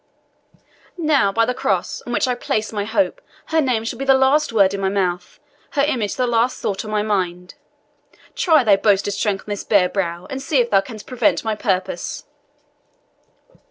"Now, by the Cross, on which I place my hope, her name shall be the last word in my mouth, her image the last thought in my mind. Try thy boasted strength on this bare brow, and see if thou canst prevent my purpose."